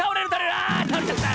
あたおれちゃった！